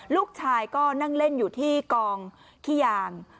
ลูกชายก็นั่งเล่นอยู่ที่กองขี้ยาง